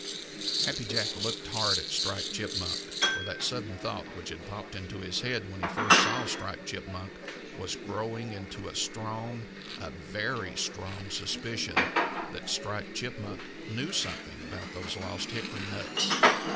Happy Jack looked hard at Striped Chipmunk, for that sudden thought which had popped into his head when he first saw Striped Chipmunk was growing into a strong, a very strong, suspicion that Striped Chipmunk knew something about those lost hickory nuts.